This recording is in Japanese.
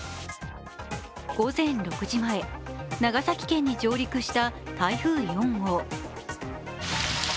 午前６時前、長崎県に上陸した台風４号。